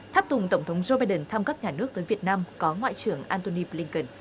tháp tùng tổng thống joe biden thăm cấp nhà nước tới việt nam có ngoại trưởng antony blinken